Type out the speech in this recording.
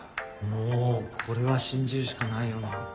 もうこれは信じるしかないよな。